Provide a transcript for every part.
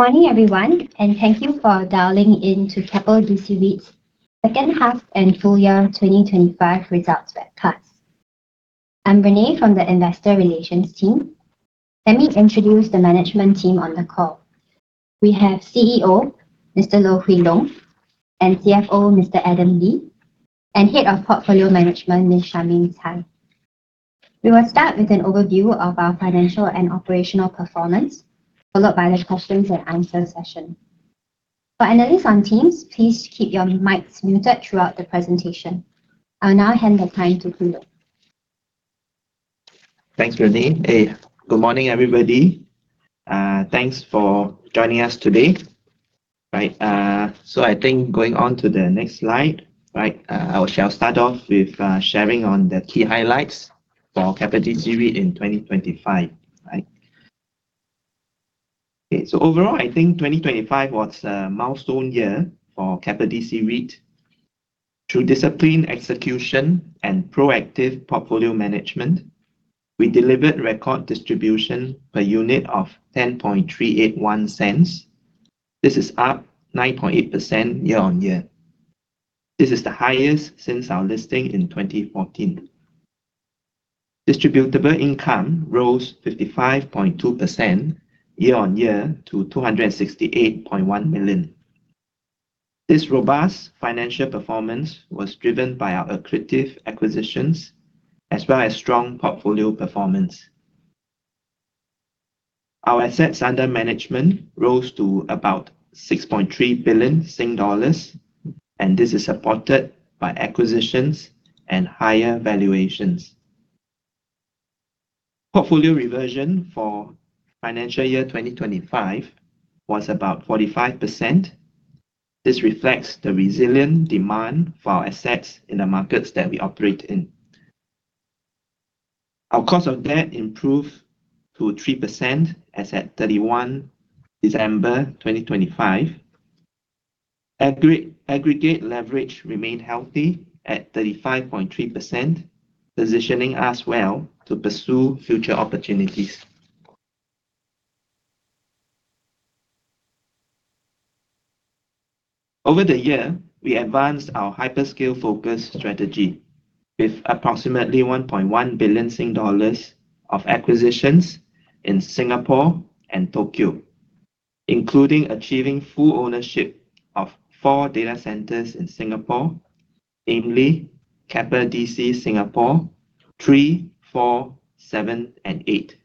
Good morning, everyone, and thank you for dialing in to Keppel DC REIT Second Half and Full Year 2025 Results Webcast. I'm Renee from the Investor Relations team. Let me introduce the management team on the call. We have CEO Mr. Loh Hwee Long, and CFO Mr. Adam Lee, and Head of Portfolio Management Ms. Charmaine Cai. We will start with an overview of our financial and operational performance, followed by the question-and-answer session. For analysts on Teams, please keep your mics muted throughout the presentation. I'll now hand the time to Loh. Thanks, Renee. Good morning, everybody. Thanks for joining us today. I think going on to the next slide, I shall start off with sharing on the key highlights for Keppel DC REIT in 2025. Overall, I think 2025 was a milestone year for Keppel DC REIT. Through disciplined execution and proactive portfolio management, we delivered record distribution per unit of 10.381. This is up 9.8% year-on-year. This is the highest since our listing in 2014. Distributable income rose 55.2% year-on-year to 268.1 million. This robust financial performance was driven by our accretive acquisitions as well as strong portfolio performance. Our assets under management rose to about SGD 6.3 billion, and this is supported by acquisitions and higher valuations. Portfolio reversion for financial year 2025 was about 45%. This reflects the resilient demand for our assets in the markets that we operate in. Our cost of debt improved to 3% as at December 31st, 2025. Aggregate leverage remained healthy at 35.3%, positioning us well to pursue future opportunities. Over the year, we advanced our hyperscale focus strategy with approximately 1.1 billion dollars of acquisitions in Singapore and Tokyo, including achieving full ownership of four data centres in Singapore, namely Keppel DC Singapore 3, 4, 7, and 8.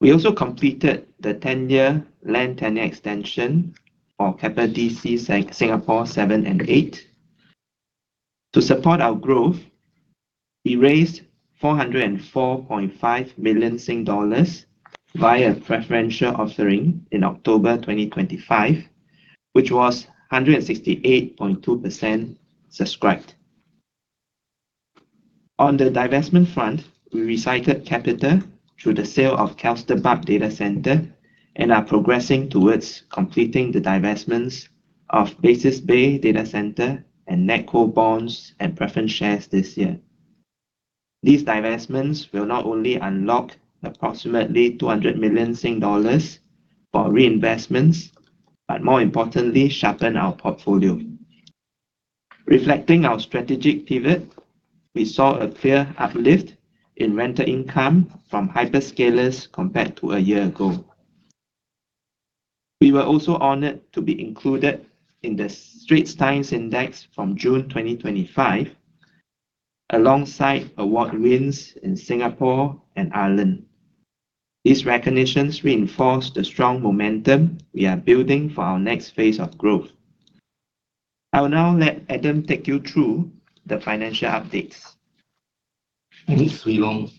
We also completed the 10-year land tenure extension for Keppel DC Singapore 7 and 8. To support our growth, we raised 404.5 million Sing dollars via a preferential offering in October 2025, which was 168.2% subscribed. On the divestment front, we recycled capital through the sale of Kelsterbach Data Centre and are progressing towards completing the divestments of Basis Bay Data Centre and NetCo Bonds and Preference Shares this year. These divestments will not only unlock approximately 200 million Sing dollars for reinvestments, but more importantly, sharpen our portfolio. Reflecting our strategic pivot, we saw a clear uplift in rental income from hyperscalers compared to a year ago. We were also honored to be included in the Straits Times Index from June 2025, alongside award wins in Singapore and Ireland. These recognitions reinforce the strong momentum we are building for our next phase of growth. I will now let Adam take you through the financial updates. Loh Hwee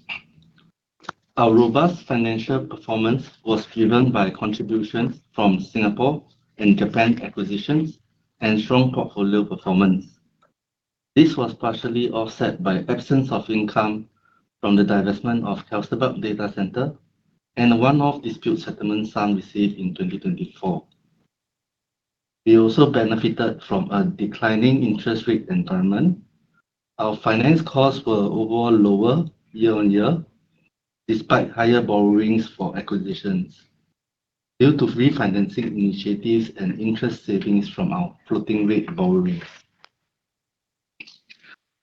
Long. Our robust financial performance was driven by contributions from Singapore and Japan acquisitions and strong portfolio performance. This was partially offset by the absence of income from the divestment of Kelsterbach Data Center and one-off dispute settlement sum received in 2024. We also benefited from a declining interest rate environment. Our finance costs were overall lower year-on-year, despite higher borrowings for acquisitions due to refinancing initiatives and interest savings from our floating rate borrowings.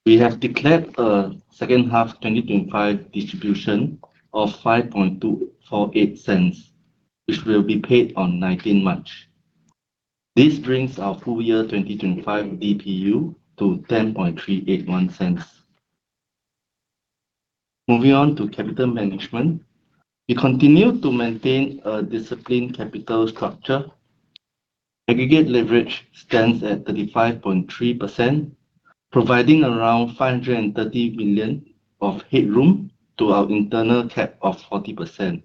We have declared a second half 2025 distribution of 5.248, which will be paid on March 19th. This brings our full year 2025 DPU to 10.381. Moving on to capital management, we continue to maintain a disciplined capital structure. Aggregate leverage stands at 35.3%, providing around 530 million of headroom to our internal cap of 40%.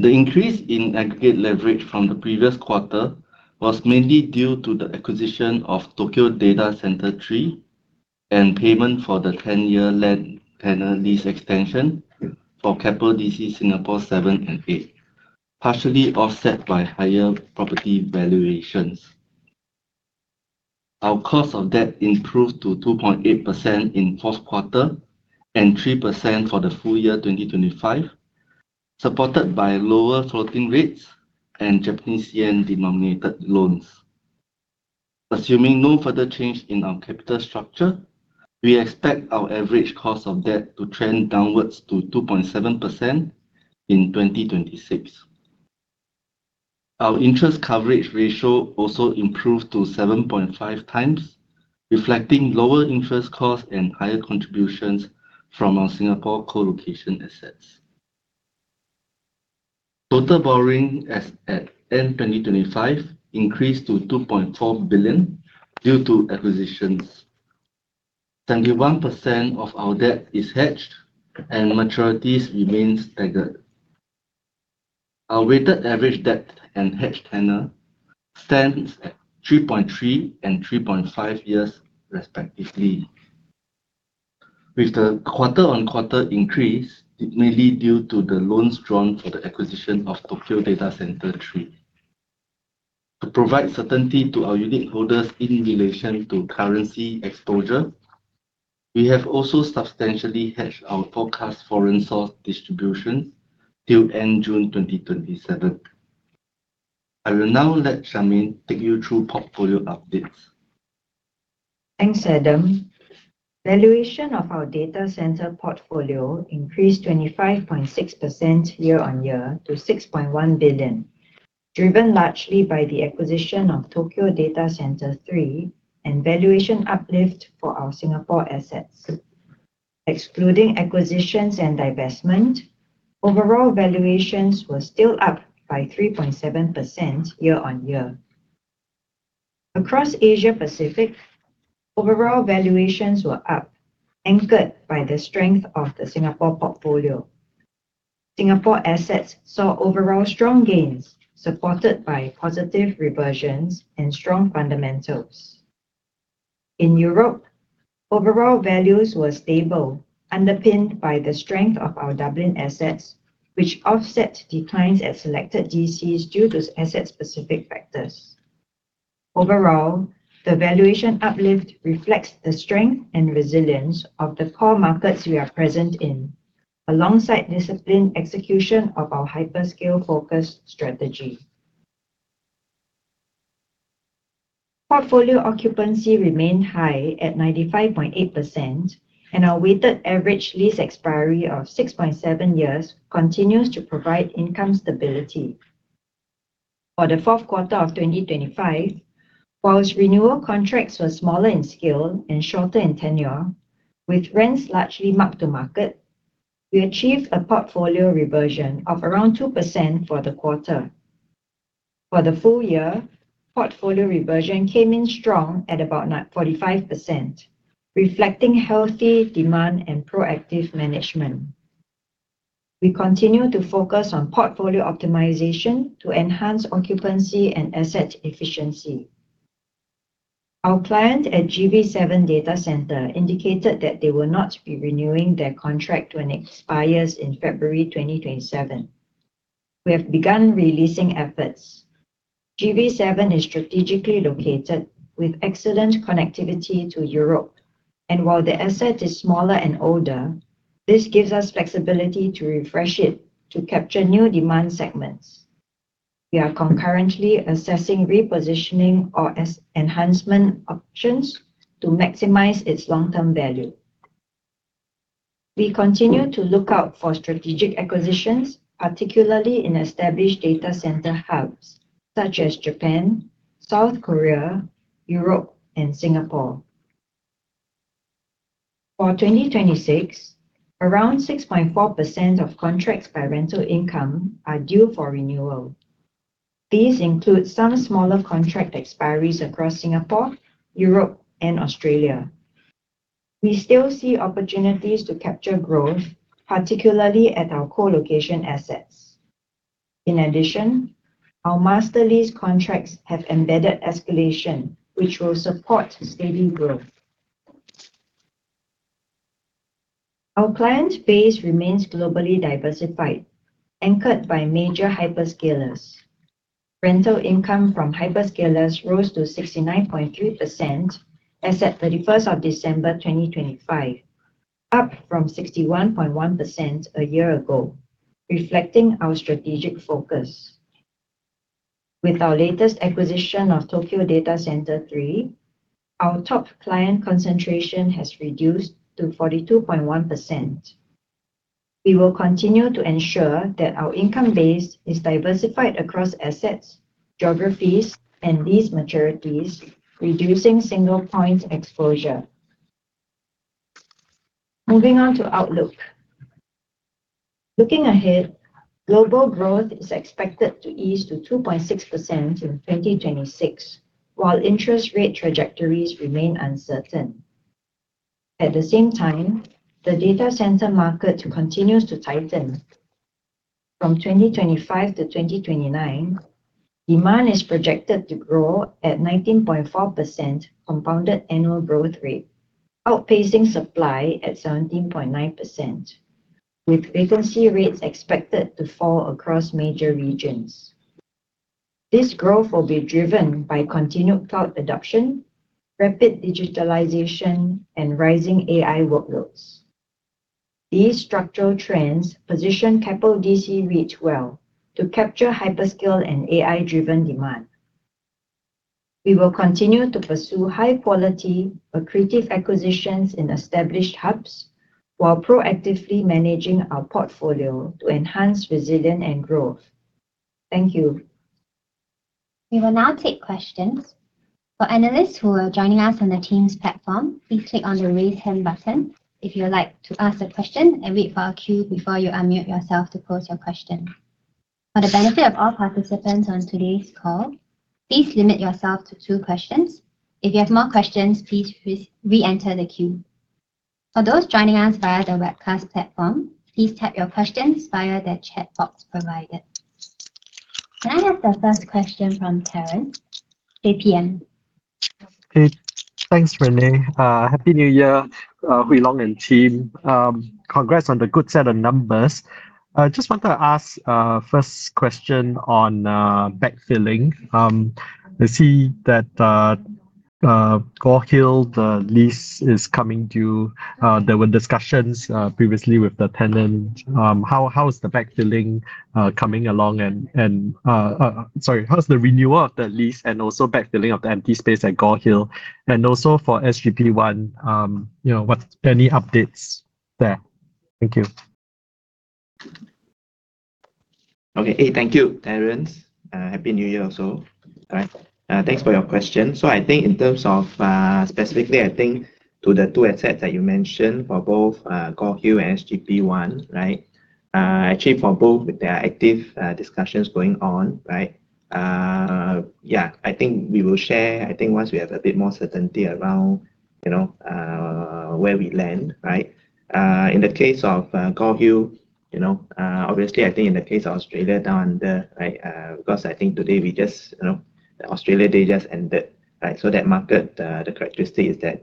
The increase in aggregate leverage from the previous quarter was mainly due to the acquisition of Tokyo Data Center 3 and payment for the 10-year land tenure lease extension for Keppel DC Singapore 7 and 8, partially offset by higher property valuations. Our cost of debt improved to 2.8% in fourth quarter and 3% for the full year 2025, supported by lower floating rates and Japanese yen-denominated loans. Assuming no further change in our capital structure, we expect our average cost of debt to trend downwards to 2.7% in 2026. Our interest coverage ratio also improved to 7.5 times, reflecting lower interest costs and higher contributions from our Singapore colocation assets. Total borrowing at end 2025 increased to $2.4 billion due to acquisitions. 71% of our debt is hedged, and maturities remain staggered. Our weighted average debt and hedged tenure stands at 3.3 and 3.5 years, respectively. With the quarter-on-quarter increase, it may lead to the loans drawn for the acquisition of Tokyo Data Centre 3. To provide certainty to our unit holders in relation to currency exposure, we have also substantially hedged our forecast foreign source distributions till end June 2027. I will now let Charmaine take you through portfolio updates. Thanks, Adam. Valuation of our data centre portfolio increased 25.6% year-on-year to 6.1 billion, driven largely by the acquisition of Tokyo Data Centre 3 and valuation uplift for our Singapore assets. Excluding acquisitions and divestment, overall valuations were still up by 3.7% year-on-year. Across Asia-Pacific, overall valuations were up, anchored by the strength of the Singapore portfolio. Singapore assets saw overall strong gains, supported by positive reversions and strong fundamentals. In Europe, overall values were stable, underpinned by the strength of our Dublin assets, which offset declines at selected DCs due to asset-specific factors. Overall, the valuation uplift reflects the strength and resilience of the core markets we are present in, alongside disciplined execution of our hyperscale focus strategy. Portfolio occupancy remained high at 95.8%, and our weighted average lease expiry of 6.7 years continues to provide income stability. For the fourth quarter of 2025, while renewal contracts were smaller in scale and shorter in tenure, with rents largely marked to market, we achieved a portfolio reversion of around 2% for the quarter. For the full year, portfolio reversion came in strong at about 45%, reflecting healthy demand and proactive management. We continue to focus on portfolio optimization to enhance occupancy and asset efficiency. Our client at GV7 Data Center indicated that they will not be renewing their contract when it expires in February 2027. We have begun leasing efforts. GV7 is strategically located, with excellent connectivity to Europe, and while the asset is smaller and older, this gives us flexibility to refresh it to capture new demand segments. We are concurrently assessing repositioning or enhancement options to maximize its long-term value. We continue to look out for strategic acquisitions, particularly in established data center hubs such as Japan, South Korea, Europe, and Singapore. For 2026, around 6.4% of contracts by rental income are due for renewal. These include some smaller contract expiries across Singapore, Europe, and Australia. We still see opportunities to capture growth, particularly at our colocation assets. In addition, our master lease contracts have embedded escalation, which will support steady growth. Our client base remains globally diversified, anchored by major hyperscalers. Rental income from hyperscalers rose to 69.3% as at December 31st, 2025, up from 61.1% a year ago, reflecting our strategic focus. With our latest acquisition of Tokyo Data Center 3, our top client concentration has reduced to 42.1%. We will continue to ensure that our income base is diversified across assets, geographies, and lease maturities, reducing single-point exposure. Moving on to outlook. Looking ahead, global growth is expected to ease to 2.6% in 2026, while interest rate trajectories remain uncertain. At the same time, the data center market continues to tighten. From 2025 to 2029, demand is projected to grow at 19.4% compounded annual growth rate, outpacing supply at 17.9%, with vacancy rates expected to fall across major regions. This growth will be driven by continued cloud adoption, rapid digitalization, and rising AI workloads. These structural trends position Keppel DC REIT well to capture hyperscale and AI-driven demand. We will continue to pursue high-quality accretive acquisitions in established hubs while proactively managing our portfolio to enhance resilience and growth. Thank you. We will now take questions. For analysts who are joining us on the Teams platform, please click on the raise hand button if you would like to ask a question and wait for a queue before you unmute yourself to post your question. For the benefit of all participants on today's call, please limit yourself to two questions. If you have more questions, please re-enter the queue. For those joining us via the webcast platform, please type your questions via the chat box provided. Can I have the first question from Terence, JPM? Thanks, Renee. Happy New Year, Hwee Long and team. Congrats on the good set of numbers. I just want to ask the first question on backfilling. I see that Gore Hill, the lease is coming due. There were discussions previously with the tenant. How is the backfilling coming along? And sorry, how is the renewal of the lease and also backfilling of the empty space at Gore Hill? And also for SGP1, what's any updates there? Thank you. Okay, thank you, Terence. Happy New Year also. Thanks for your question. So I think in terms of specifically, I think to the two assets that you mentioned for both Gore Hill and SGP1, actually for both, there are active discussions going on. Yeah, I think we will share. I think once we have a bit more certainty around where we land. In the case of Gore Hill, obviously, I think in the case of Australia down under, because I think today we just, Australia Day just ended. So that market, the characteristic is that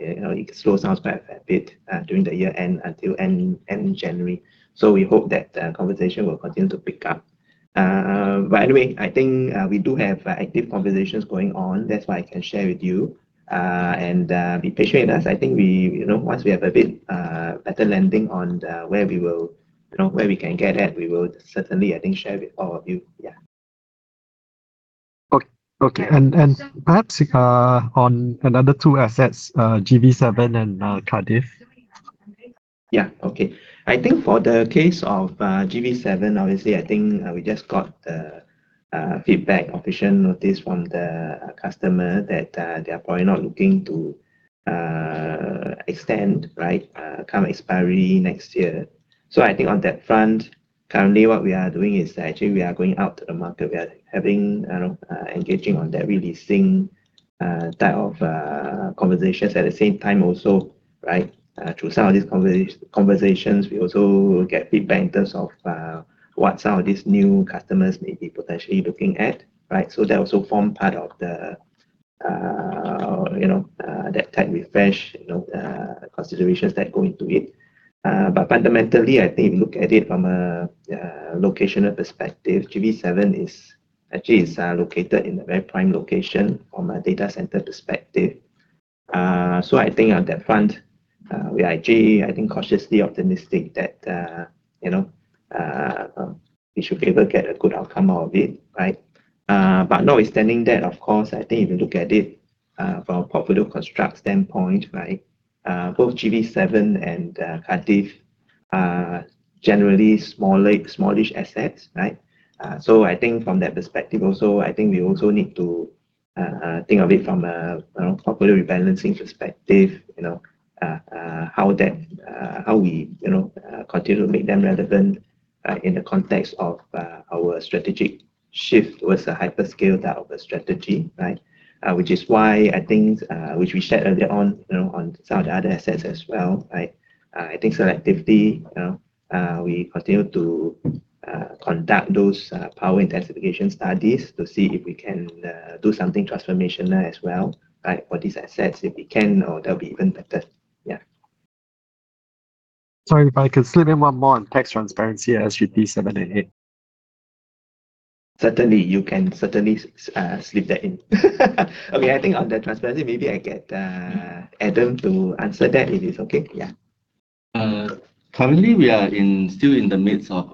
it slows down quite a bit during the year end until end January. So we hope that the conversation will continue to pick up. But anyway, I think we do have active conversations going on. That's why I can share with you. And be patient with us. I think once we have a bit better landing on where we will, where we can get at, we will certainly, I think, share with all of you. Yeah. Okay, and perhaps on another two assets, GV7 and Cardiff. Yeah, okay. I think for the case of GV7, obviously, I think we just got the feedback, official notice from the customer that they are probably not looking to extend, upon expiry next year. So I think on that front, currently what we are doing is actually we are going out to the market. We are engaging on that re-leasing type of conversations at the same time also. Through some of these conversations, we also get feedback in terms of what some of these new customers may be potentially looking at. So that also forms part of that type refresh considerations that go into it. But fundamentally, I think if you look at it from a locational perspective, GV7 is actually located in a very prime location from a data center perspective. So I think on that front, we are actually, I think, cautiously optimistic that we should be able to get a good outcome out of it. But notwithstanding that, of course, I think if you look at it from a portfolio construct standpoint, both GV7 and Cardiff are generally smallish assets. So I think from that perspective also, I think we also need to think of it from a portfolio rebalancing perspective, how we continue to make them relevant in the context of our strategic shift towards a hyperscale type of a strategy, which is why I think, which we shared earlier on on some of the other assets as well. I think selectively, we continue to conduct those power intensification studies to see if we can do something transformational as well for these assets. If we can, there'll be even better. Yeah. Sorry, if I could slip in one more on tax transparency at SGP 7 and 8? Certainly, you can certainly slip that in. Okay, I think on the transparency, maybe I get Adam to answer that if it's okay. Yeah. Currently, we are still in the midst of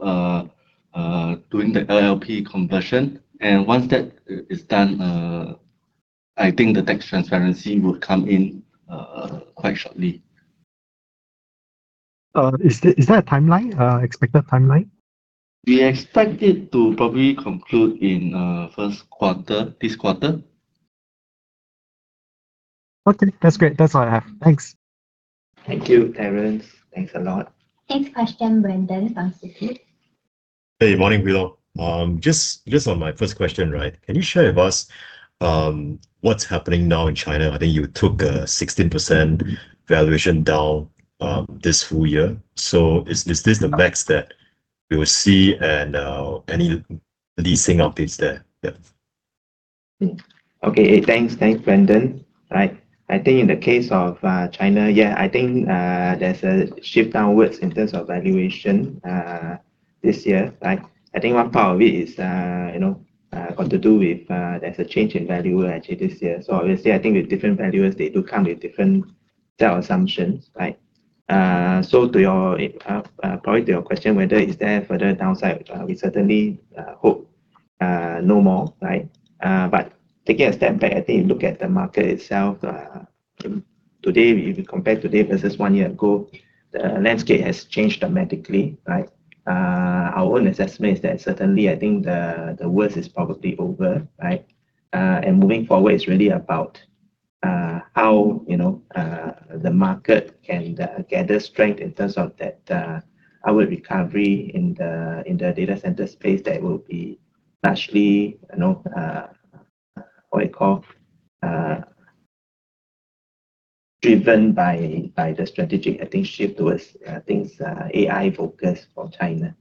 doing the LLP conversion. Once that is done, I think the tax transparency will come in quite shortly. Is that a timeline, expected timeline? We expect it to probably conclude in first quarter, this quarter. Okay, that's great. That's all I have. Thanks. Thank you, Terence. Thanks a lot. Next question, Brandon from Citi. Hey, morning, Hwee Long. Just on my first question, can you share with us what's happening now in China? I think you took a 16% valuation down this full year. So is this the max that we will see and any leasing updates there? Okay, thanks, Brandon. I think in the case of China, yeah, I think there's a shift downwards in terms of valuation this year. I think one part of it is got to do with there's a change in value actually this year. So obviously, I think with different values, they do come with different set of assumptions. So probably to your question, whether is there further downside, we certainly hope no more. But taking a step back, I think you look at the market itself. Today, if you compare today versus one year ago, the landscape has changed dramatically. Our own assessment is that certainly, I think the worst is probably over. Moving forward, it's really about how the market can gather strength in terms of that outward recovery in the data center space that will be largely, what do you call, driven by the strategic, I think, shift towards things AI focused for China.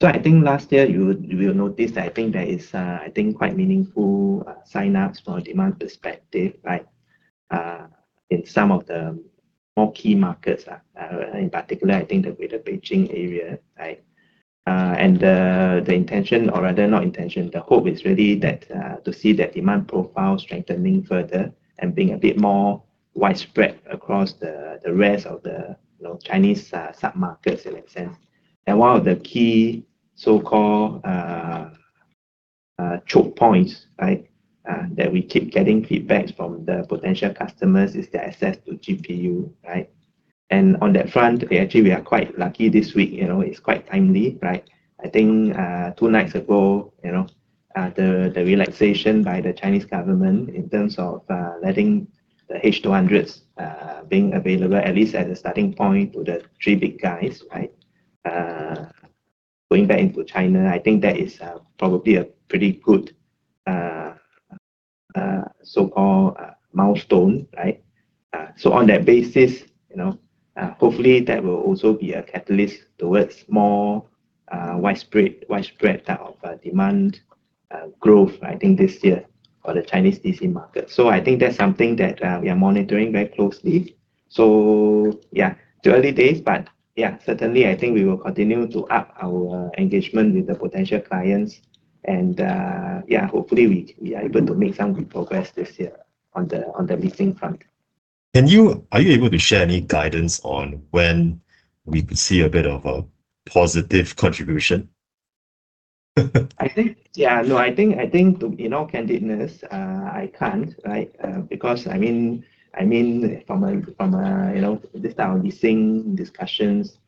So I think last year, you will notice that I think there is, I think, quite meaningful signups from a demand perspective in some of the more key markets. In particular, I think the Greater Beijing area. And the intention, or rather not intention, the hope is really to see that demand profile strengthening further and being a bit more widespread across the rest of the Chinese submarkets in that sense. And one of the key so-called choke points that we keep getting feedback from the potential customers is their access to GPU. And on that front, actually, we are quite lucky this week. It's quite timely. I think two nights ago, the relaxation by the Chinese government in terms of letting the H200s being available, at least at the starting point with the three big guys going back into China, I think that is probably a pretty good so-called milestone. So on that basis, hopefully, that will also be a catalyst towards more widespread type of demand growth, I think, this year for the Chinese DC market. So I think that's something that we are monitoring very closely. So yeah, it's early days, but yeah, certainly, I think we will continue to up our engagement with the potential clients. And yeah, hopefully, we are able to make some progress this year on the leasing front. Are you able to share any guidance on when we could see a bit of a positive contribution? I think, yeah, no, I think in all candidness, I can't. Because I mean, from this type of leasing discussions,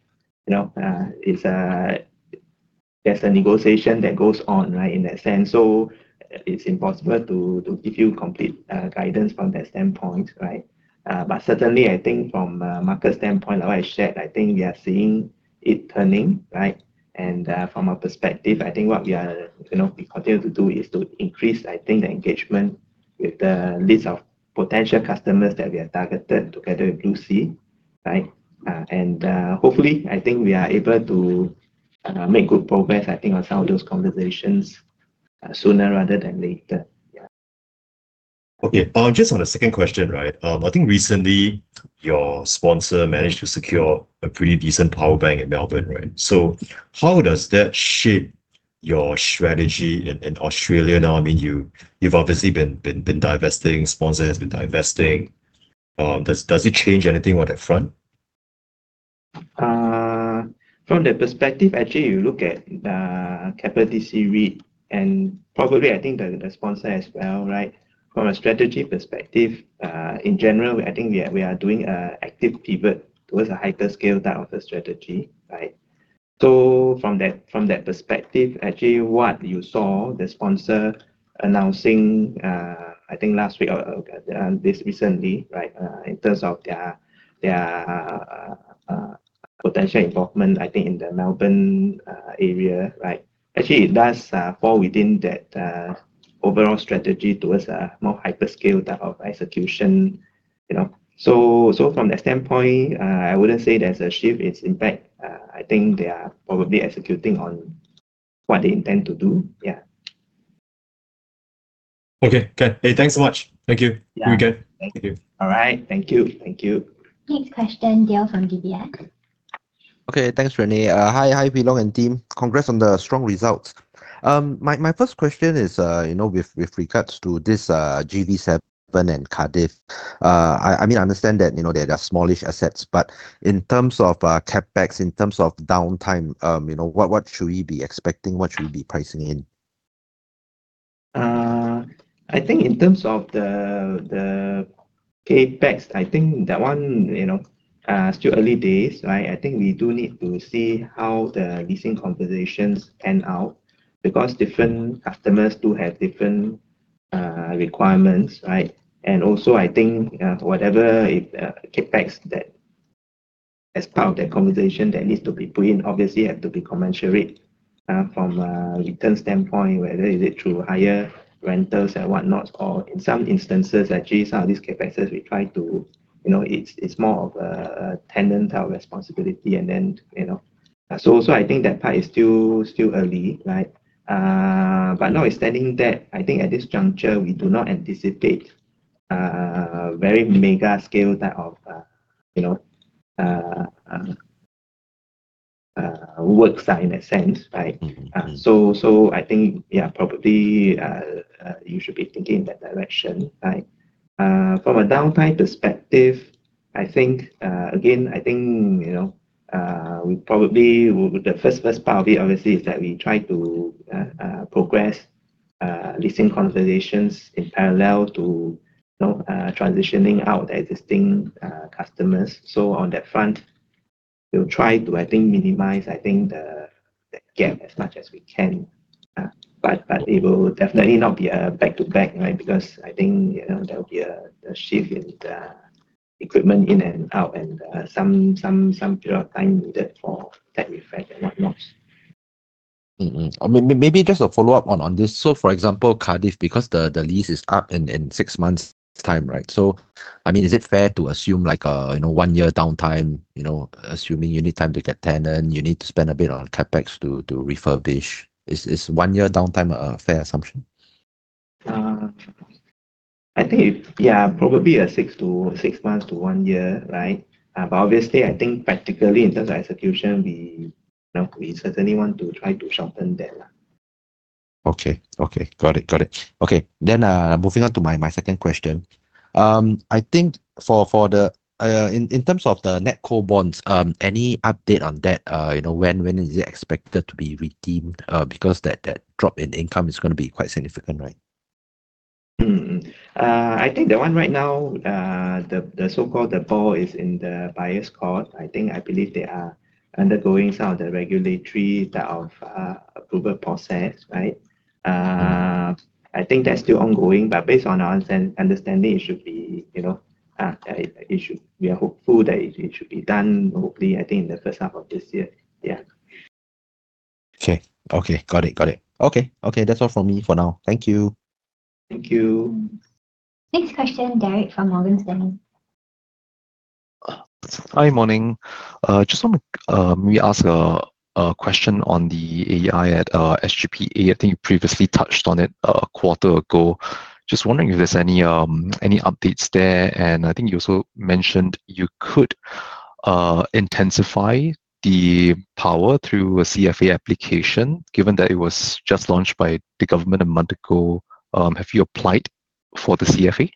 there's a negotiation that goes on in that sense. So it's impossible to give you complete guidance from that standpoint. But certainly, I think from a market standpoint, like I shared, I think we are seeing it turning. And from our perspective, I think what we continue to do is to increase, I think, the engagement with the list of potential customers that we are targeted together with Bluesea. And hopefully, I think we are able to make good progress, I think, on some of those conversations sooner rather than later. Okay, just on the second question, I think recently, your sponsor managed to secure a pretty decent power bank in Melbourne. So how does that shape your strategy in Australia now? I mean, you've obviously been divesting, sponsor has been divesting. Does it change anything on that front? From the perspective, actually, you look at Keppel DC REIT and probably I think the sponsor as well. From a strategy perspective, in general, I think we are doing an active pivot towards a hyperscale type of a strategy. So from that perspective, actually, what you saw, the sponsor announcing, I think last week or this recently, in terms of their potential involvement, I think, in the Melbourne area, actually, it does fall within that overall strategy towards a more hyperscale type of execution. So from that standpoint, I wouldn't say there's a shift. In fact, I think they are probably executing on what they intend to do. Yeah. Okay, good. Hey, thanks so much. Thank you. We're good. All right. Thank you. Thank you. Next question, Dale from DBS. Thanks, Renee. Hi, Hwee Long and team. Congrats on the strong results. My first question is with regards to this GV7 and Cardiff. I mean, I understand that they are smallish assets, but in terms of CapEx, in terms of downtime, what should we be expecting? What should we be pricing in? I think in terms of the CapEx, I think that one is still early days. I think we do need to see how the leasing conversations pan out because different customers do have different requirements. And also, I think whatever CapEx that is part of that conversation that needs to be put in, obviously, has to be commensurate from a return standpoint, whether is it through higher rentals and whatnot, or in some instances, actually, some of these CapExes, we try to it's more of a tenant type of responsibility. And then so I think that part is still early. But notwithstanding that, I think at this juncture, we do not anticipate very mega scale type of works in that sense. So I think, yeah, probably you should be thinking in that direction. From a downtime perspective, I think, again, I think we probably the first part of it, obviously, is that we try to progress leasing conversations in parallel to transitioning out existing customers. So on that front, we'll try to, I think, minimize, I think, the gap as much as we can. But it will definitely not be a back to back because I think there will be a shift in the equipment in and out and some period of time needed for that effect and whatnot. Maybe just a follow-up on this. So for example, Cardiff, because the lease is up in six months' time, so I mean, is it fair to assume one year downtime, assuming you need time to get tenant, you need to spend a bit on CapEx to refurbish? Is one year downtime a fair assumption? I think, yeah, probably 6 months to 1 year. But obviously, I think practically in terms of execution, we certainly want to try to shorten that. Okay, got it. Okay, then moving on to my second question. I think in terms of the NetCo Bonds, any update on that? When is it expected to be redeemed? Because that drop in income is going to be quite significant, right? I think the one right now, the so-called ball is in the Basis Bay's court. I think I believe they are undergoing some of the regulatory type of approval process. I think that's still ongoing. But based on our understanding, it should be, we are hopeful that it should be done, hopefully, I think, in the first half of this year. Yeah. Okay. Got it. That's all from me for now. Thank you. Thank you. Next question, Derek from Morgan Stanley. Hi, morning. Just want to maybe ask a question on the AI at SGP 8. I think you previously touched on it a quarter ago. Just wondering if there's any updates there. And I think you also mentioned you could intensify the power through a CFA application, given that it was just launched by the government a month ago. Have you applied for the CFA?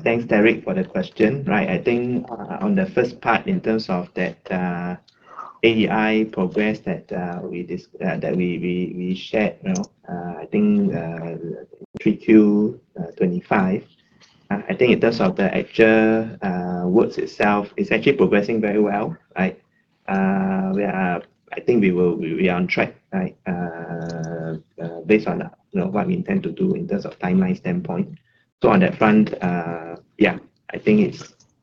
Thanks, Derek, for the question. I think on the first part, in terms of that AI progress that we shared, I think 3Q25, I think in terms of the actual works itself, it's actually progressing very well. I think we are on track based on what we intend to do in terms of timeline standpoint. So on that front, yeah, I think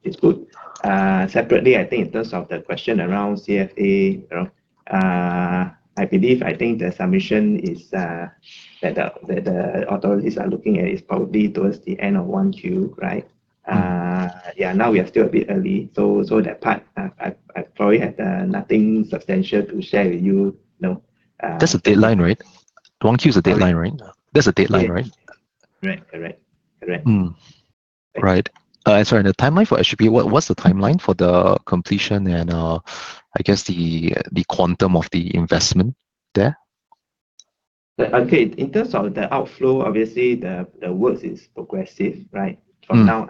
it's good. Separately, I think in terms of the question around CFA, I believe I think the submission that the authorities are looking at is probably towards the end of 1Q. Yeah, now we are still a bit early. So that part, I probably had nothing substantial to share with you. That's a deadline, right? 1Q is a deadline, right? That's a deadline, right? Correct. Correct. Correct. Right. Sorry, the timeline for SGP 8, what's the timeline for the completion and I guess the quantum of the investment there? Okay. In terms of the outflow, obviously, the work is progressive. From now,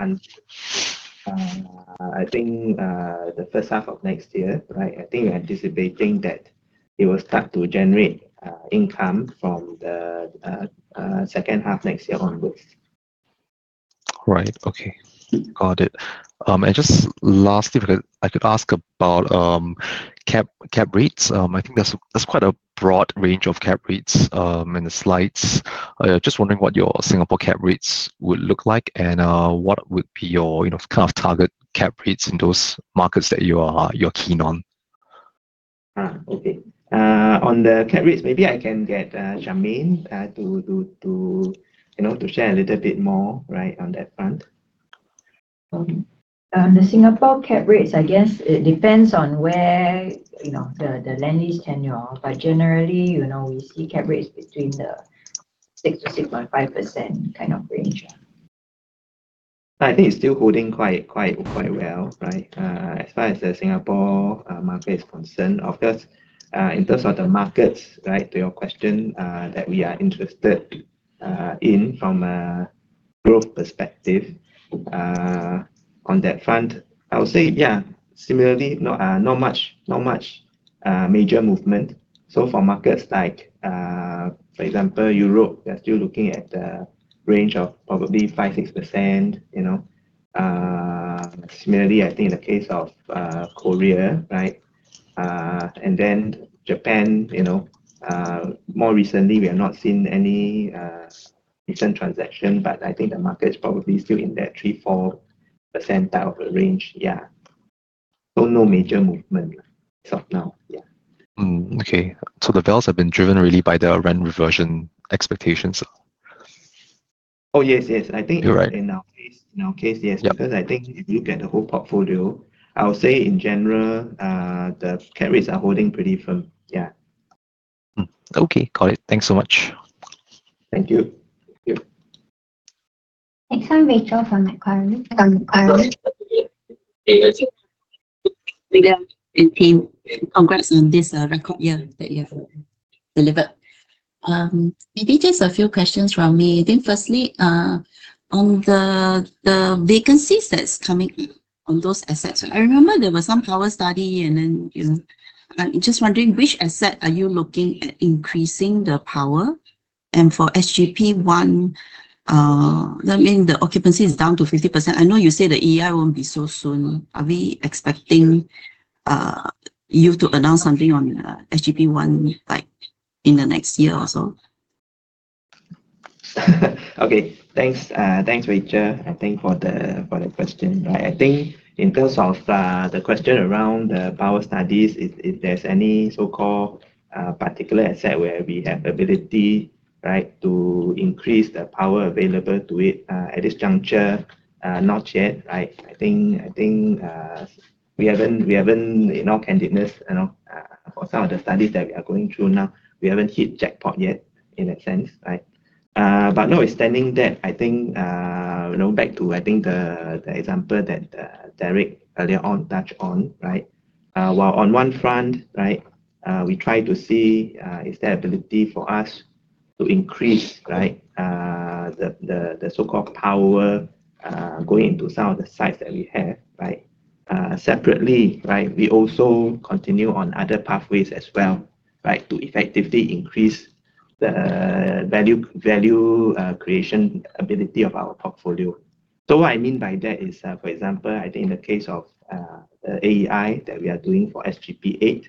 I think the first half of next year, I think we're anticipating that it will start to generate income from the second half next year onwards. Right. Okay. Got it. And just lastly, I could ask about cap rates. I think there's quite a broad range of cap rates in the slides. Just wondering what your Singapore cap rates would look like and what would be your kind of target cap rates in those markets that you're keen on? Okay. On the cap rates, maybe I can get Charmaine to share a little bit more on that front. The Singapore cap rates, I guess it depends on where the land lease tenure. But generally, we see cap rates between the 6%-6.5% kind of range. I think it's still holding quite well. As far as the Singapore market is concerned, of course, in terms of the markets, to your question, that we are interested in from a growth perspective, on that front, I would say, yeah, similarly, not much major movement. So for markets like, for example, Europe, they're still looking at the range of probably 5%-6%. Similarly, I think in the case of Korea, and then Japan, more recently, we have not seen any recent transaction, but I think the market is probably still in that 3%-4% type of range. Yeah. So no major movement as of now. Yeah. Okay. So the bets have been driven really by the rent reversion expectations? Oh, yes, yes. I think in our case, yes. Because I think if you look at the whole portfolio, I would say in general, the cap rates are holding pretty firm. Yeah. Okay. Got it. Thanks so much. Thank you. Next one, Rachel from Macquarie. Congrats on this record year that you have delivered. Maybe just a few questions from me. I think firstly, on the vacancies that's coming on those assets, I remember there was some power study, and then I'm just wondering which asset are you looking at increasing the power? And for SGP1, I mean, the occupancy is down to 50%. I know you say the AI won't be so soon. Are we expecting you to announce something on SGP1 in the next year or so? Okay. Thanks, Rachel. Thanks for the question. I think in terms of the question around the power studies, if there's any so-called particular asset where we have ability to increase the power available to it at this juncture, not yet. I think we haven't, in all candidness, for some of the studies that we are going through now, we haven't hit jackpot yet in that sense. But notwithstanding that, I think back to, I think, the example that Derek earlier on touched on, while on one front, we try to see is there ability for us to increase the so-called power going into some of the sites that we have. Separately, we also continue on other pathways as well to effectively increase the value creation ability of our portfolio. So what I mean by that is, for example, I think in the case of the AI that we are doing for SGP8,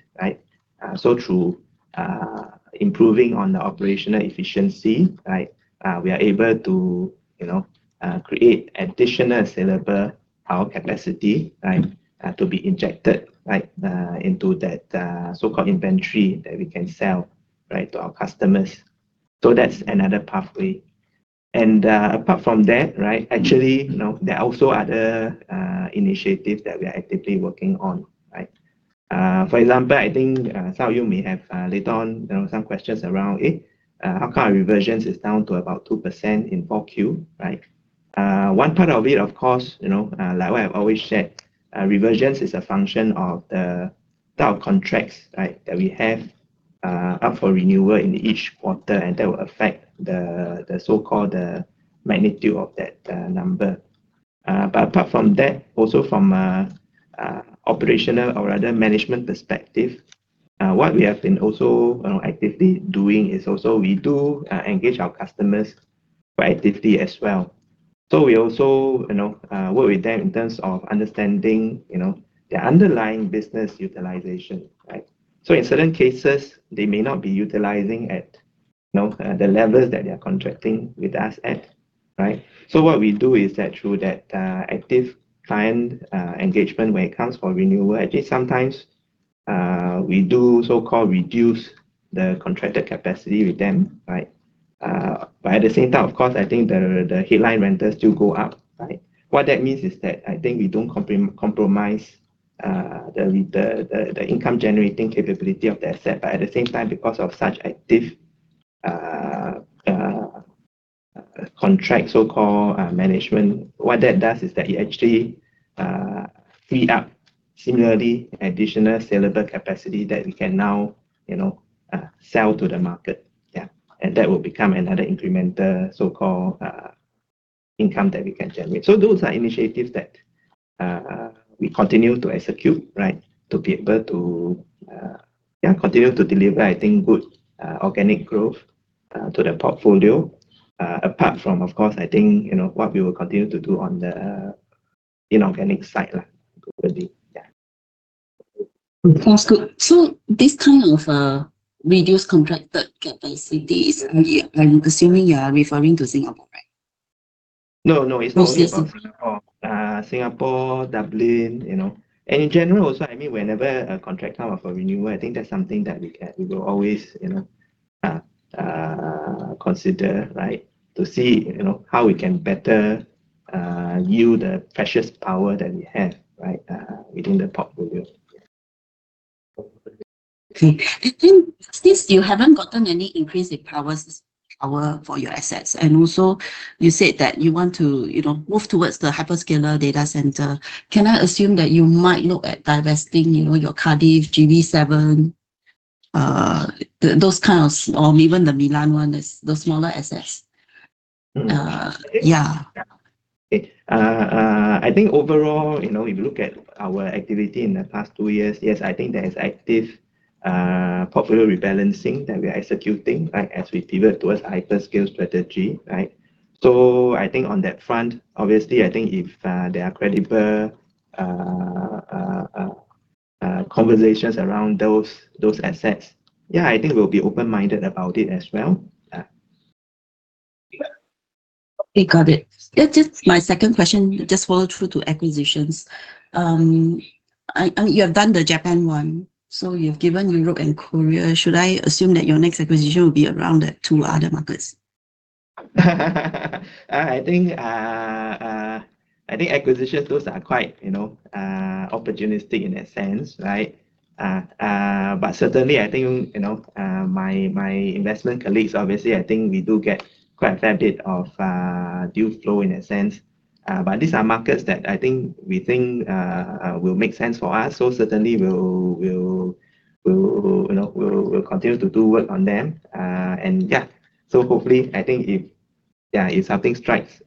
so through improving on the operational efficiency, we are able to create additional sellable power capacity to be injected into that so-called inventory that we can sell to our customers. So that's another pathway. And apart from that, actually, there are also other initiatives that we are actively working on. For example, I think some of you may have later on some questions around, how come our reversions is down to about 2% in 4Q? One part of it, of course, like what I've always shared, reversions is a function of the type of contracts that we have up for renewal in each quarter, and that will affect the so-called magnitude of that number. But apart from that, also from an operational or other management perspective, what we have been also actively doing is also we do engage our customers quite actively as well. So we also work with them in terms of understanding their underlying business utilization. So in certain cases, they may not be utilizing at the levels that they are contracting with us at. So what we do is that through that active client engagement when it comes for renewal, actually, sometimes we do so-called reduce the contracted capacity with them. But at the same time, of course, I think the headline rents do go up. What that means is that I think we don't compromise the income-generating capability of the asset. But at the same time, because of such active contract, so-called management, what that does is that it actually frees up additional sellable capacity that we can now sell to the market. And that will become another incremental so-called income that we can generate. So those are initiatives that we continue to execute to be able to continue to deliver, I think, good organic growth to the portfolio. Apart from, of course, I think what we will continue to do on the inorganic side globally. That's good. So this kind of reduced contracted capacities, I'm assuming you are referring to Singapore, right? No, no. It's more Singapore, Dublin. And in general, also, I mean, whenever a contract comes up for renewal, I think that's something that we will always consider to see how we can better use the precious power that we have within the portfolio. Okay. And since you haven't gotten any increase in power for your assets, and also you said that you want to move towards the hyperscaler data center, can I assume that you might look at divesting your Cardiff, GV7, those kind of, or even the Milan one, those smaller assets? Yeah. I think overall, if you look at our activity in the past two years, yes, I think there is active portfolio rebalancing that we are executing as we pivot towards hyperscale strategy. So I think on that front, obviously, I think if there are credible conversations around those assets, yeah, I think we'll be open-minded about it as well. Okay. Got it. Just my second question just follows through to acquisitions. You have done the Japan one, so you've given Europe and Korea. Should I assume that your next acquisition will be around two other markets? I think acquisitions, those are quite opportunistic in that sense. But certainly, I think my investment colleagues, obviously, I think we do get quite a fair bit of deal flow in that sense. But these are markets that I think we think will make sense for us. So certainly, we'll continue to do work on them. And yeah, so hopefully, I think if something strikes,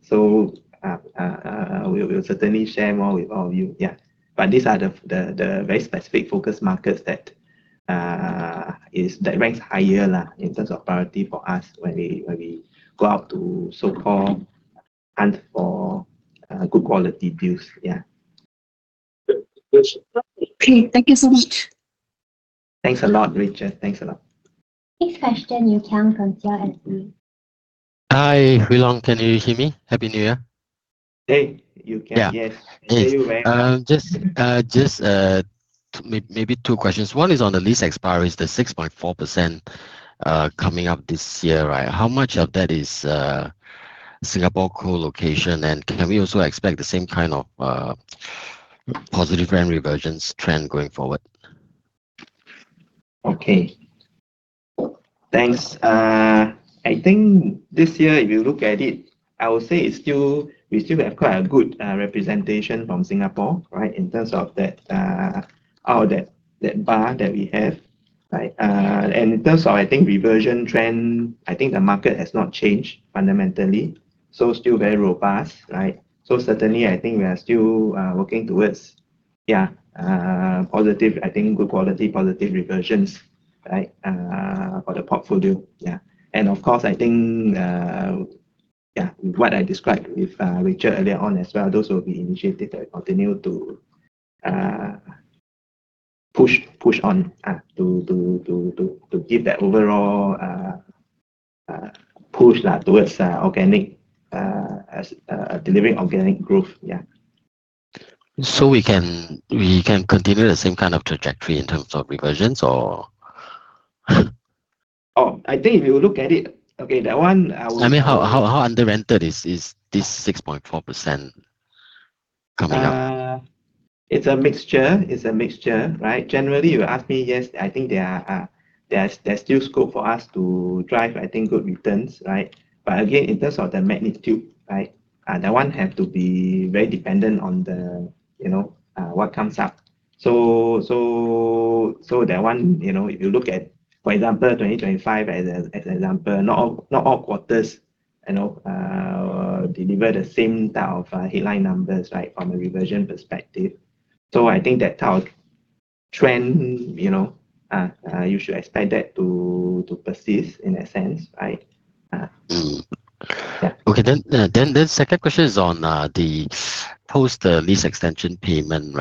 so we'll certainly share more with all of you. Yeah. But these are the very specific focus markets that ranks higher in terms of priority for us when we go out to so-called hunt for good quality deals. Yeah. Okay. Thank you so much. Thanks a lot, Rachel. Thanks a lot. Next question, Wong Yew Kiang, from CLSA. Hi, Hwee Long. Can you hear me? Happy New Year. Hey. You can. Yes. See you, man. Just maybe two questions. One is on the lease expiry, the 6.4% coming up this year. How much of that is Singapore colocation? And can we also expect the same kind of positive rent reversion trend going forward? Okay. Thanks. I think this year, if you look at it, I would say we still have quite a good representation from Singapore in terms of that bar that we have. And in terms of, I think, reversion trend, I think the market has not changed fundamentally. So still very robust. So certainly, I think we are still working towards positive, I think, good quality positive reversions for the portfolio. And of course, I think what I described with Rachel earlier on as well, those will be initiatives that continue to push on to give that overall push towards organic delivering organic growth. Yeah. We can continue the same kind of trajectory in terms of reversions or? Oh, I think if you look at it, okay, that one. I mean, how underrated is this 6.4% coming up? It's a mixture. It's a mixture. Generally, you ask me, yes, I think there's still scope for us to drive, I think, good returns. But again, in terms of the magnitude, that one has to be very dependent on what comes up. So that one, if you look at, for example, 2025 as an example, not all quarters deliver the same type of headline numbers from a reversion perspective. So I think that type of trend, you should expect that to persist in that sense. Yeah. Okay. Then the second question is on the post-lease extension payment.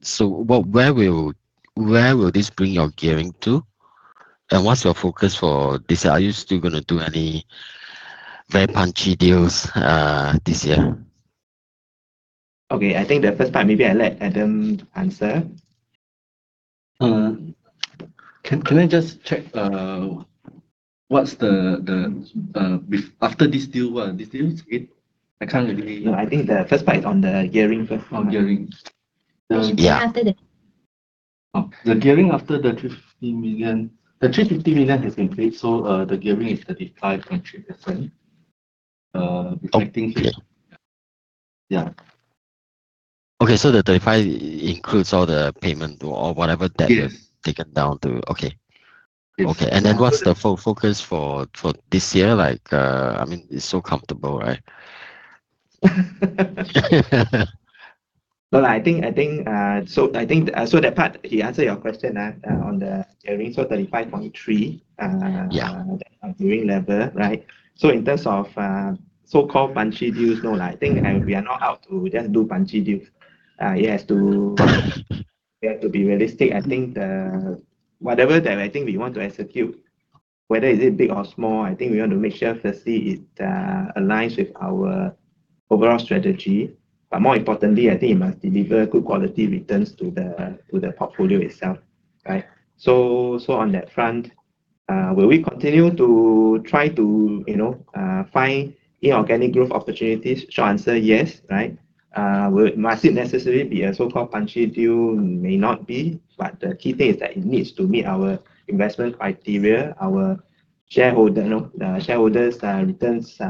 So where will this bring your gearing to? And what's your focus for this year? Are you still going to do any very punchy deals this year? Okay. I think the first part, maybe I'll let Adam answer. Can I just check what's the after this deal? This deal is it? I can't really. No, I think the first part is on the gearing first. Oh, gearing. Yeah. After the. The gearing after the 350 million has been paid. So the gearing is 35.3%. I think. Yeah. Yeah. Okay. So the 35% includes all the payment or whatever that was taken down to. Okay. Okay. And then what's the full focus for this year? I mean, it's so comfortable, right? No, I think so that part, he answered your question on the gearing. So 35.3%, that's our gearing level. So in terms of so-called punchy deals, no, I think we are not out to just do punchy deals. It has to be realistic. I think whatever that I think we want to execute, whether it's big or small, I think we want to make sure firstly it aligns with our overall strategy. But more importantly, I think it must deliver good quality returns to the portfolio itself. So on that front, will we continue to try to find inorganic growth opportunities? Short answer, yes. Must it necessarily be a so-called punchy deal? May not be. But the key thing is that it needs to meet our investment criteria, our shareholders' returns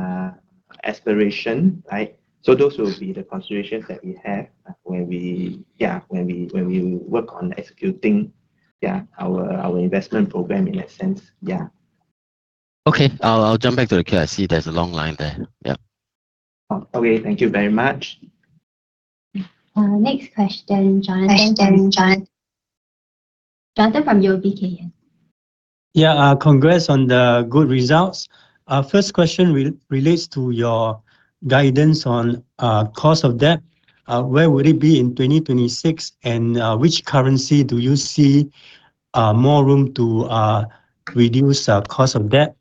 aspiration. Those will be the considerations that we have when we work on executing our investment program in that sense. Yeah. Okay. I'll jump back to the queue. There's a long line there. Yeah. Okay. Thank you very much. Next question, Jonathan. Thanks, Renee. Jonathan from UOB Kay Hian. Yeah. Congrats on the good results. First question relates to your guidance on cost of debt. Where would it be in 2026? And which currency do you see more room to reduce cost of debt?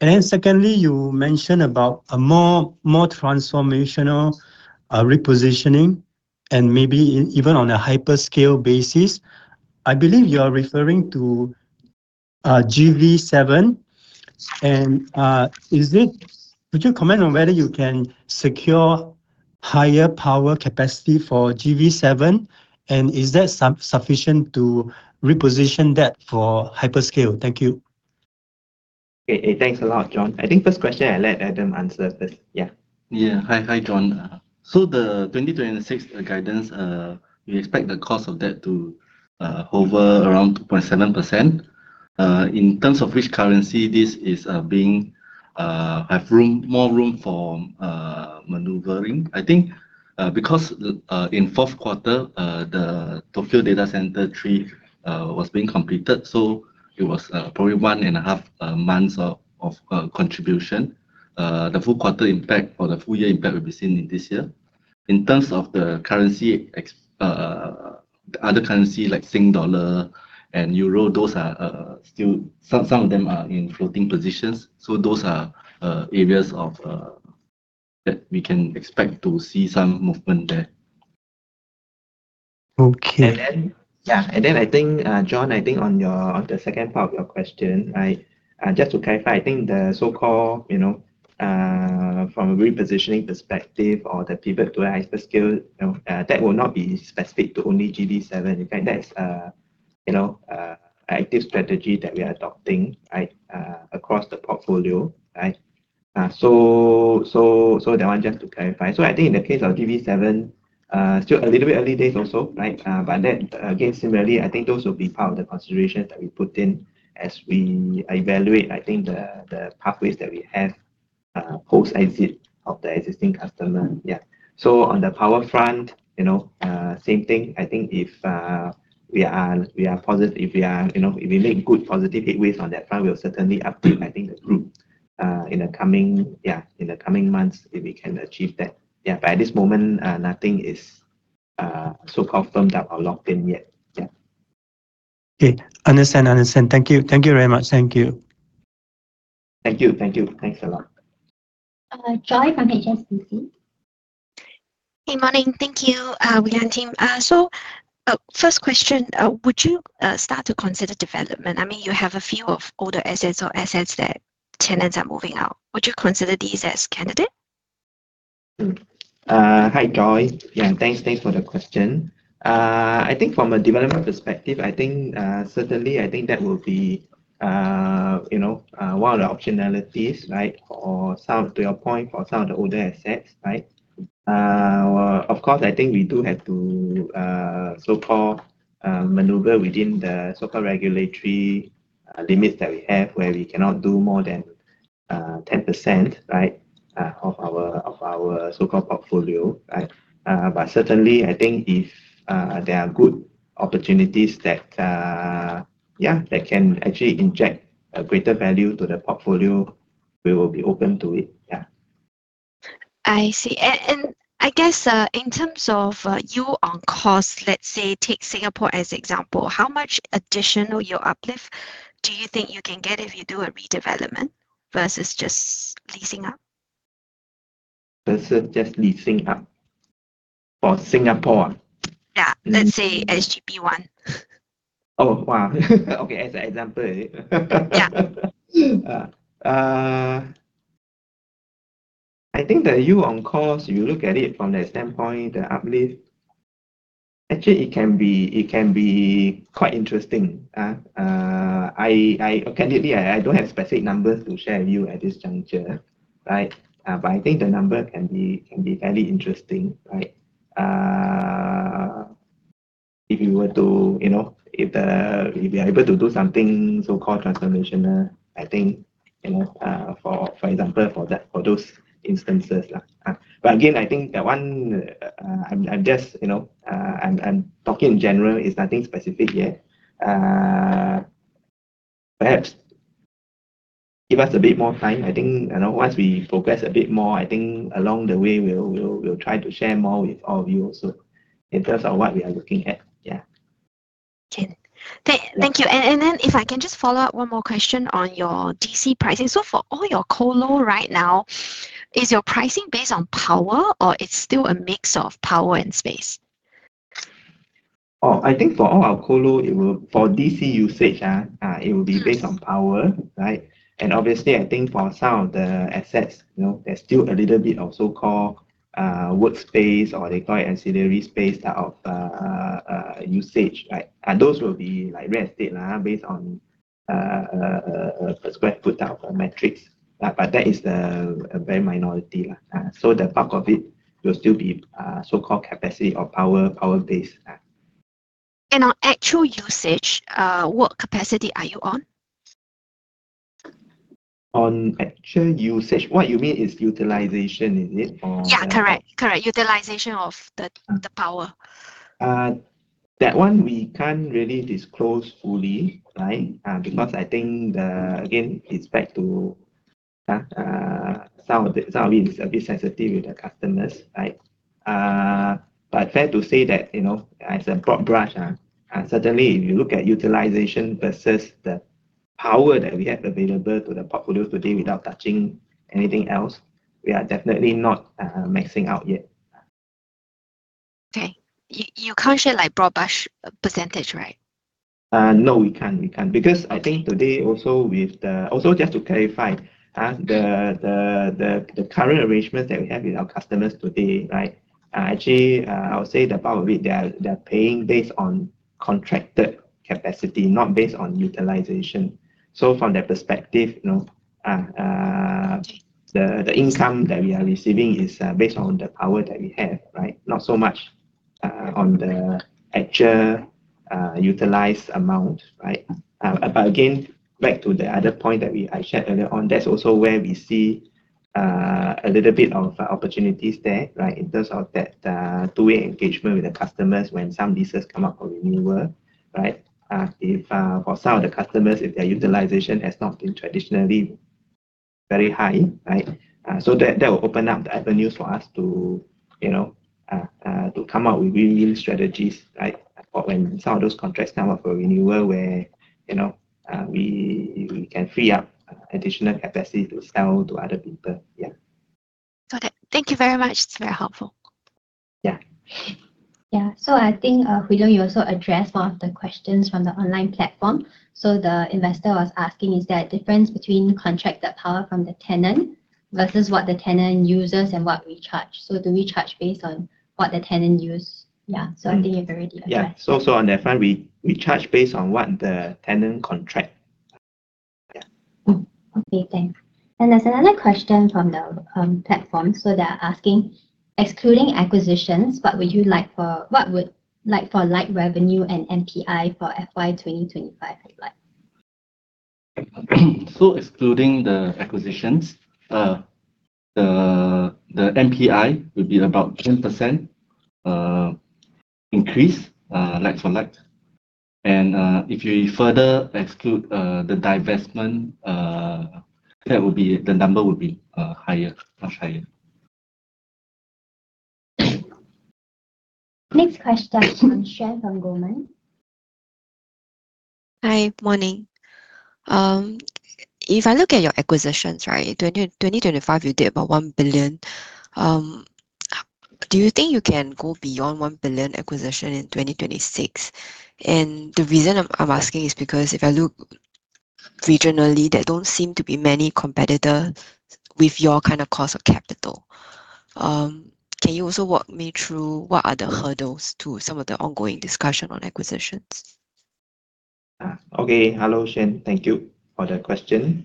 And then secondly, you mentioned about a more transformational repositioning, and maybe even on a hyperscale basis. I believe you are referring to GV7. And would you comment on whether you can secure higher power capacity for GV7? And is that sufficient to reposition debt for hyperscale? Thank you. Thanks a lot, Jon. I think first question, I'll let Adam answer first. Yeah. Yeah. Hi, Jon. So, the 2026 guidance, we expect the cost of debt to hover around 2.7%. In terms of which currency this is being, have more room for maneuvering. I think because in fourth quarter, the Tokyo Data Center 3 was being completed, so it was probably 1.5 months of contribution. The full quarter impact or the full year impact will be seen in this year. In terms of the currency, other currency like Singapore dollar and euro, those are still some of them are in floating positions. So those are areas that we can expect to see some movement there. Okay. And then I think, Jon, I think on the second part of your question, just to clarify, I think the so-called from a repositioning perspective or the pivot to hyperscale, that will not be specific to only GV7. In fact, that's an active strategy that we are adopting across the portfolio. So that one just to clarify. So I think in the case of GV7, still a little bit early days also. But again, similarly, I think those will be part of the considerations that we put in as we evaluate, I think, the pathways that we have post-exit of the existing customer. Yeah. So on the power front, same thing. I think if we are positive, if we make good positive headways on that front, we'll certainly update, I think, the group in the coming months if we can achieve that. Yeah. At this moment, nothing is so confirmed that we're locked in yet. Yeah. Okay. Understand. Thank you very much. Thank you. Thanks a lot. Joy from HSBC. Hey, morning. Thank you, Hwee Long and team. First question, would you start to consider development? I mean, you have a few of older assets or assets that tenants are moving out. Would you consider these as candidate? Hi, Joy. Yeah. Thanks for the question. I think from a development perspective, I think certainly, I think that will be one of the optionalities to your point for some of the older assets. Of course, I think we do have to so-called maneuver within the so-called regulatory limits that we have where we cannot do more than 10% of our so-called portfolio. But certainly, I think if there are good opportunities that can actually inject a greater value to the portfolio, we will be open to it. Yeah. I see. And I guess in terms of yield on cost, let's say take Singapore as an example, how much additional yield uplift do you think you can get if you do a redevelopment versus just leasing up? Versus just leasing up for Singapore? Yeah. Let's say SGP1. Oh, wow. Okay. As an example. Yeah. I think that, on cost, you look at it from the standpoint, the uplift, actually, it can be quite interesting. Candidly, I don't have specific numbers to share with you at this juncture. But I think the number can be fairly interesting. If you are able to do something so-called transformational, I think, for example, for those instances. But again, I think that one I'm just talking in general. It's nothing specific yet. Perhaps give us a bit more time. I think once we progress a bit more, I think along the way, we'll try to share more with all of you also in terms of what we are looking at. Yeah. Okay. Thank you. And then if I can just follow up one more question on your DC pricing. So for all your colo right now, is your pricing based on power or it's still a mix of power and space? Oh, I think for all our colo, for DC usage, it will be based on power. And obviously, I think for some of the assets, there's still a little bit of so-called workspace or they call it ancillary space type of usage. Those will be real estate based on square foot type of metrics. But that is a very minority. So the bulk of it will still be so-called capacity or power-based. On actual usage, what capacity are you on? On actual usage, what you mean is utilization, is it? Yeah. Correct. Correct. Utilization of the power. That one, we can't really disclose fully because I think, again, it's back to some of it is a bit sensitive with the customers. But fair to say that it's a broad brush. Certainly, if you look at utilization versus the power that we have available to the portfolio today without touching anything else, we are definitely not maxing out yet. Okay. You can't share broad brush percentage, right? No, we can't. Because I think today also with also just to clarify, the current arrangements that we have with our customers today, actually, I would say the bulk of it, they're paying based on contracted capacity, not based on utilization. So from that perspective, the income that we are receiving is based on the power that we have, not so much on the actual utilized amount. But again, back to the other point that I shared earlier on, that's also where we see a little bit of opportunities there in terms of that two-way engagement with the customers when some leases come up for renewal. For some of the customers, if their utilization has not been traditionally very high, so that will open up the avenues for us to come up with renewal strategies for when some of those contracts come up for renewal where we can free up additional capacity to sell to other people. Yeah. Got it. Thank you very much. It's very helpful. Yeah. Yeah. So I think Hwee Long, you also addressed one of the questions from the online platform. So the investor was asking, is there a difference between contracted power from the tenant versus what the tenant uses and what we charge? So do we charge based on what the tenant use? Yeah. So I think you've already addressed that. Yeah. So on that front, we charge based on what the tenant contract. Okay. Thanks. There's another question from the platform. So they're asking, excluding acquisitions, what would like-for-like revenue and NPI for FY 2025 look like? Excluding the acquisitions, the NPI would be about 10% increase like for like. If you further exclude the divestment, that would be the number would be higher, much higher. Next question, Tan Xuan from Goldman Sachs. Hi, morning. If I look at your acquisitions, right, 2025, you did about 1 billion. Do you think you can go beyond 1 billion acquisition in 2026? And the reason I'm asking is because if I look regionally, there don't seem to be many competitors with your kind of cost of capital. Can you also walk me through what are the hurdles to some of the ongoing discussion on acquisitions? Okay. Hello, Tan. Thank you for the question.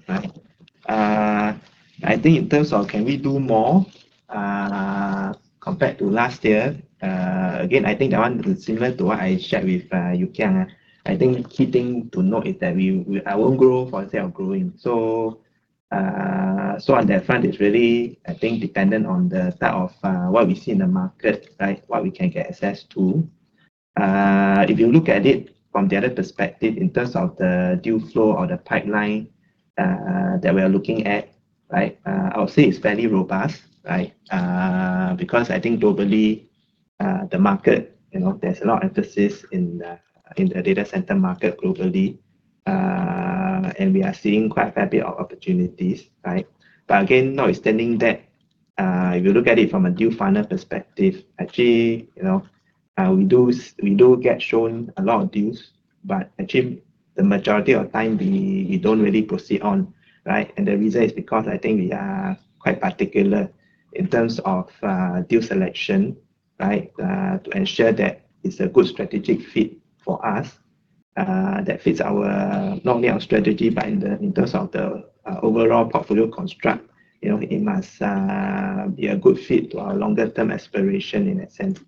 I think in terms of can we do more compared to last year? Again, I think that one is similar to what I shared with Yu Qiang. I think key thing to note is that we are on growth or say of growing. So on that front, it's really, I think, dependent on the type of what we see in the market, what we can get access to. If you look at it from the other perspective in terms of the deal flow or the pipeline that we are looking at, I would say it's fairly robust because I think globally, the market, there's a lot of emphasis in the data center market globally, and we are seeing quite a fair bit of opportunities. But again, notwithstanding that, if you look at it from a deal finder perspective, actually, we do get shown a lot of deals, but actually, the majority of time, we don't really proceed on. And the reason is because I think we are quite particular in terms of deal selection to ensure that it's a good strategic fit for us that fits not only our strategy, but in terms of the overall portfolio construct, it must be a good fit to our longer-term aspiration in that sense.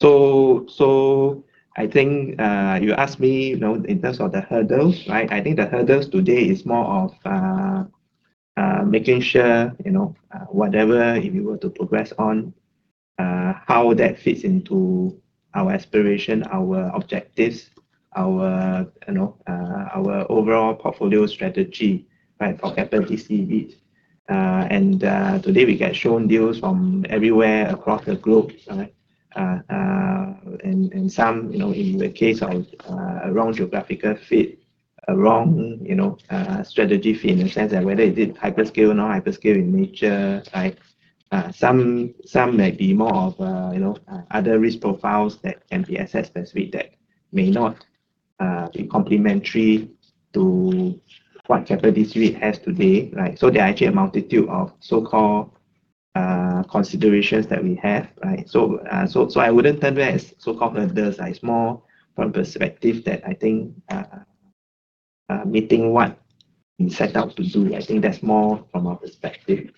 So I think you asked me in terms of the hurdles. I think the hurdles today is more of making sure whatever, if you were to progress on, how that fits into our aspiration, our objectives, our overall portfolio strategy for Keppel DC REIT. And today, we get shown deals from everywhere across the globe. Some, in the case of a wrong geographical fit, a wrong strategy fit in the sense that whether it is hyperscale, non-hyperscale in nature, some may be more of other risk profiles that can be assessed specifically that may not be complementary to what Keppel DC REIT has today. So there are actually a multitude of so-called considerations that we have. So I wouldn't turn to that as so-called hurdles. It's more from a perspective that I think meeting what we set out to do. I think that's more from our perspective.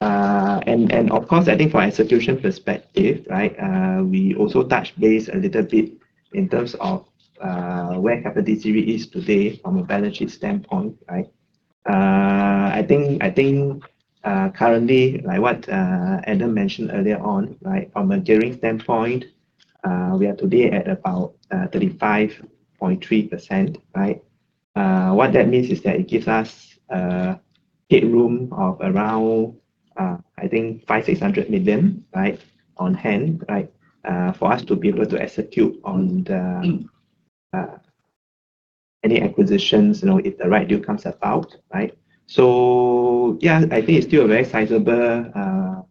And of course, I think from execution perspective, we also touch base a little bit in terms of where Keppel DC REIT is today from a balance sheet standpoint. I think currently, like what Adam mentioned earlier on, from a gearing standpoint, we are today at about 35.3%. What that means is that it gives us headroom of around, I think, 500-600 million on hand for us to be able to execute on any acquisitions if the right deal comes about. So yeah, I think it's still a very sizable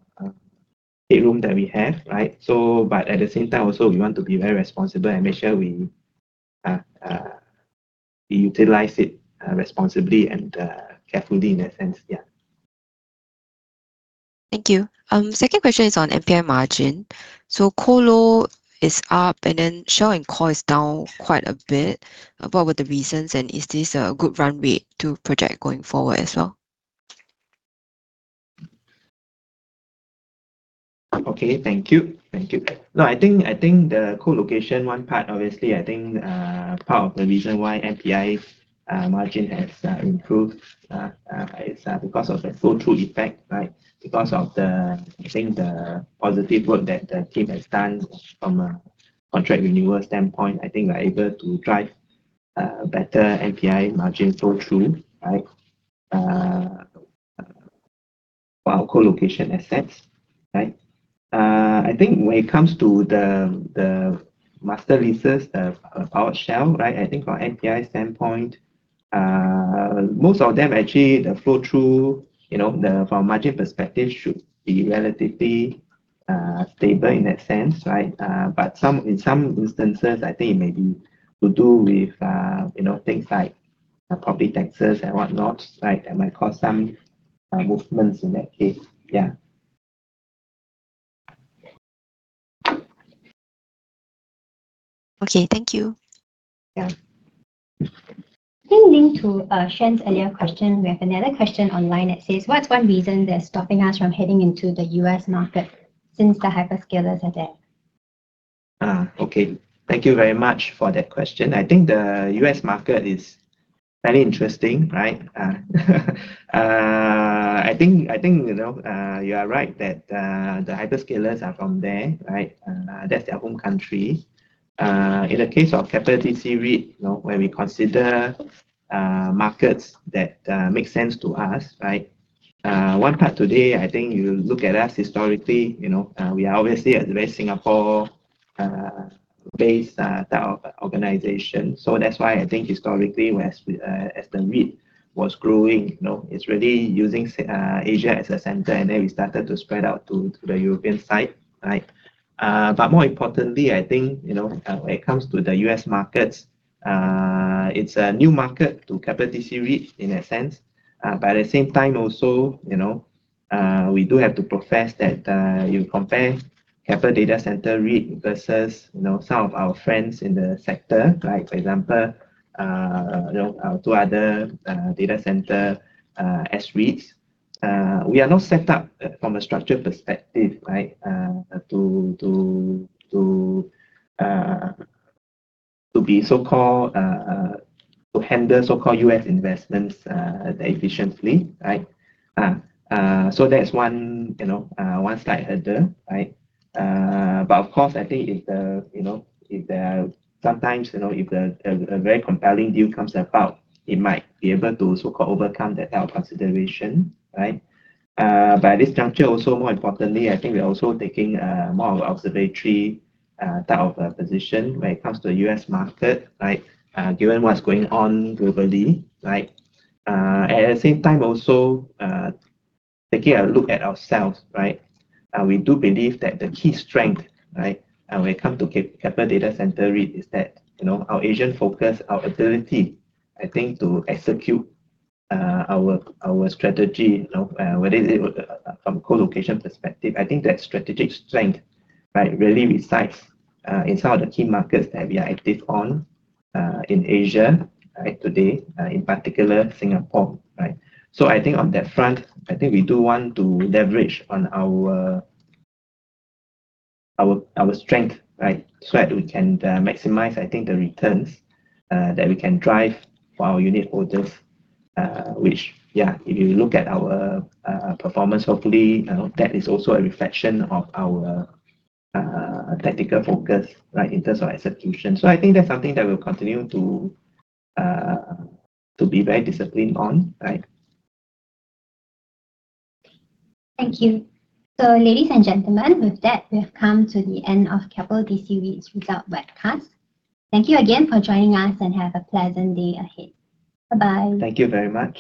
headroom that we have. But at the same time, also, we want to be very responsible and make sure we utilize it responsibly and carefully in that sense. Yeah. Thank you. Second question is on NPI margin. So colo is up, and then shell and core is down quite a bit. What were the reasons, and is this a good run rate to project going forward as well? Okay. Thank you. Thank you. No, I think the colocation one part, obviously, I think part of the reason why NPI margin has improved is because of the flow-through effect, because of, I think, the positive work that the team has done from a contract renewal standpoint. I think we are able to drive better NPI margin flow-through for our colocation assets. I think when it comes to the master leases, the powered shell, I think from NPI standpoint, most of them, actually, the flow-through from a margin perspective should be relatively stable in that sense. But in some instances, I think it may be to do with things like property taxes and whatnot that might cause some movements in that case. Okay. Thank you. Yeah. Pivoting to Tan's earlier question, we have another question online that says, "What's one reason they're stopping us from heading into the U.S. market since the hyperscalers are there? Okay. Thank you very much for that question. I think the U.S. market is very interesting. I think you are right that the hyperscalers are from there. That's their home country. In the case of Keppel DC REIT, when we consider markets that make sense to us, one part today, I think you look at us historically, we are obviously a very Singapore-based type of organization. So that's why I think historically, as the REIT was growing, it's really using Asia as a center, and then we started to spread out to the European side. But more importantly, I think when it comes to the U.S. markets, it's a new market to Keppel DC REIT in that sense. But at the same time, also, we do have to profess that you compare Keppel DC REIT versus some of our friends in the sector, for example, our two other data center S-REITs. We are not set up from a structure perspective to be so-called to handle so-called U.S. investments efficiently. So that's one slight hurdle. But of course, I think sometimes if a very compelling deal comes about, it might be able to so-called overcome that type of consideration. But at this juncture, also more importantly, I think we're also taking more of an observatory type of position when it comes to the U.S. market, given what's going on globally. At the same time, also taking a look at ourselves, we do believe that the key strength when it comes to Keppel DC REIT is that our Asian focus, our ability, I think, to execute our strategy, whether it is from a colocation perspective, I think that strategic strength really resides in some of the key markets that we are active on in Asia today, in particular, Singapore. So I think on that front, I think we do want to leverage on our strength so that we can maximize, I think, the returns that we can drive for our unit holders, which, yeah, if you look at our performance, hopefully, that is also a reflection of our tactical focus in terms of execution. So I think that's something that we'll continue to be very disciplined on. Thank you. Ladies and gentlemen, with that, we have come to the end of Keppel DC REIT's result webcast. Thank you again for joining us and have a pleasant day ahead. Bye-bye. Thank you very much.